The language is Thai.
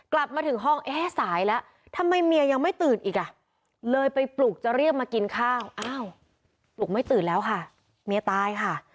กลับมาถึงห้องเอ๊ะสายแล้วทำไมเมียยังไม่ตื่นอีกอ่ะเลยไปปลุกจะเรียกมากินข้าวอ้าวปลุกไม่ตื่นแล้วค่ะเมียตายค่ะ